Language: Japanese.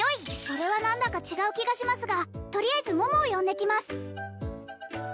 それは何だか違う気がしますがとりあえず桃を呼んできます